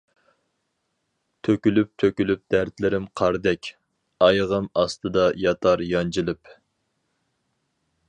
تۆكۈلۈپ-تۆكۈلۈپ دەردلىرىم قاردەك، ئايىغىم ئاستىدا ياتار يانجىلىپ.